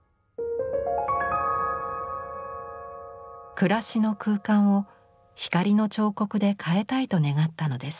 暮らしの空間を光の彫刻で変えたいと願ったのです。